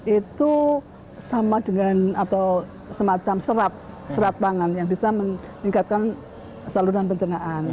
itu sama dengan atau semacam serat serat pangan yang bisa meningkatkan saluran pencernaan